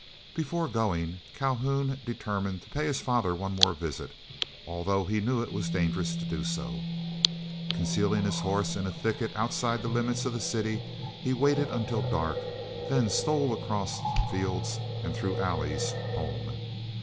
Before going, Calhoun determined to pay his father one more visit, although he knew it was dangerous to do so. Concealing his horse in a thicket outside the limits of the city, he waited until dark, then stole across fields, and through alleys home.